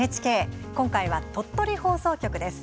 今回は鳥取放送局です。